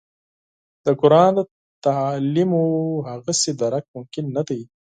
د قران د تعالیمو هغسې درک ممکن نه دی.